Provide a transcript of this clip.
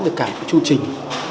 được cả cái chương trình